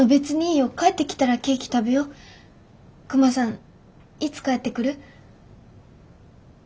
クマさんいつ帰ってくる？